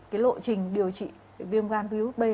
cái lộ trình điều trị viêm gan virus b